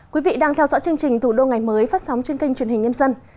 quý vị đang theo dõi chương trình thủ đô ngày mới phát sóng trên kênh truyền hình nhân dân